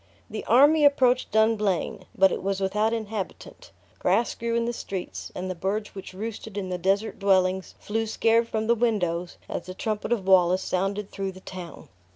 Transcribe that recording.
The army approached Dumblane; but it was without inhabitant; grass grew in the streets; and the birds which roosted in the desert dwellings flew scared from the windows as the trumpet of Wallace sounded through the town.